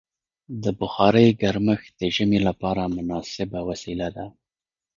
د بخارۍ ګرمښت د ژمي لپاره مناسبه وسیله ده.